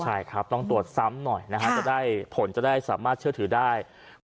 ใช่ครับต้องตรวจซ้ำหน่อยนะฮะจะได้ผลจะได้สามารถเชื่อถือได้